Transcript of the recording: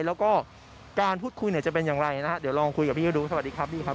แล้วก็การพูดคุยเนี่ยจะเป็นอย่างไรนะฮะเดี๋ยวลองคุยกับพี่ก็ดูสวัสดีครับพี่ครับ